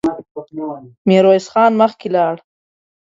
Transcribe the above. ميرويس خان مخکې لاړ.